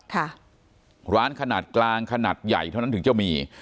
ค่ะร้านขนาดกลางขนาดใหญ่เท่านั้นถึงจะมี